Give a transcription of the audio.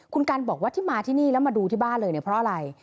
คุณกันบอกว่าที่มาที่นี่แล้วมาดูที่บ้านเลยเนี่ยเพราะอะไร